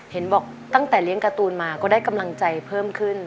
เห็นบอกตั้งแต่เลี้ยงการ์ตูนมาก็ได้กำลังใจเพิ่มขึ้น